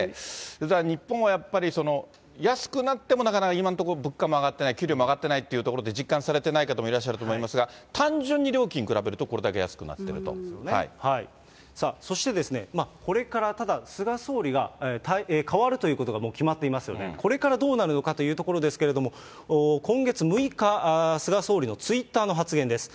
日本はやっぱり安くなっても、なかなか今のところ、物価も上がってない、給料も上がってないってところで、実感されていない方もいらっしゃると思いますが、単純に料金比べそしてこれからただ、菅総理が代わるということがもう決まっていますので、これからどうなるのかというところですけれども、今月６日、菅総理のツイッターの発言です。